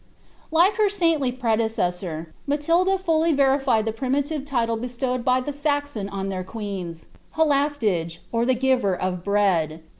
Like her saindy predecessor, Matilda fully verified the primitive title bestowed by the Saxon on their queens, Hlaficlige, or the giver of bread.